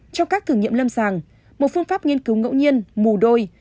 trong các thử nghiệm lâm sàng một phương pháp nghiên cứu ngẫu nhiên mù đôi